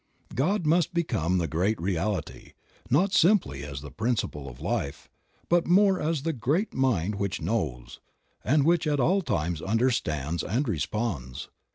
God must oecome the great reality, not simply as the principle of life, but more as the great Mind which knows, and which at all times under stands and responds.